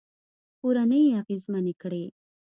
کورنۍ يې اغېزمنې کړې